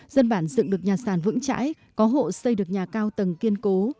dân bản dựng được nhà sàn vững chãi có hộ xây được nhà cao tầng kiên cố